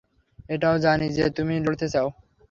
এটাও জানি যে তুমি লড়তে চাও!